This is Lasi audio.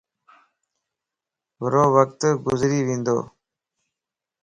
ڀرووقت گذري وندو